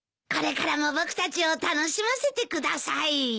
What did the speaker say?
これからも僕たちを楽しませてください。